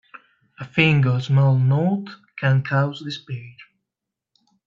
A thing of small note can cause despair.